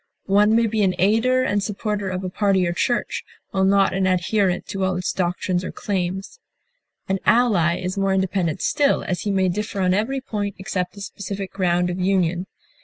One may be an aider and supporter of a party or church, while not an adherent to all its doctrines or claims. An ally is more independent still, as he may differ on every point except the specific ground of union.